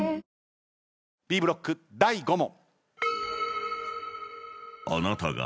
Ｂブロック第５問。